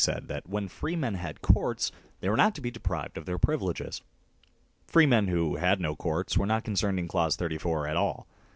82 MAGNA CARTA, C 39 said that when free men had courts l they were not to be deprived of their privileges ; free men who had no courts were not concerned in clause 34 at all.